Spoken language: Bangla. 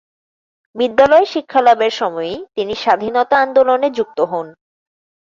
বিদ্যালয়ে শিক্ষালাভের সময়ই তিনি স্বাধীনতা আন্দোলনে যুক্ত হন।